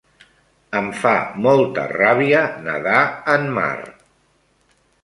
Em fa molta ràbia nedar en mar.